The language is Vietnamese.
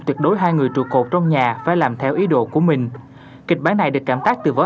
tuyệt đối hai người trụ cột trong nhà phải làm theo ý đồ của mình kịch bản này được cảm tác từ võ